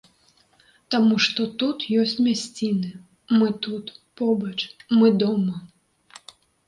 Таму што тут ёсць мясціны, мы тут, побач, мы дома.